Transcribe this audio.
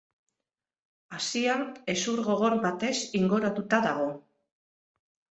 Hazia hezur gogor batez inguratuta dago.